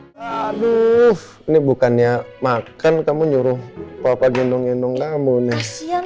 hai hai hai aduh ini bukannya makan kamu nyuruh papa gendong gendong kamu nih siang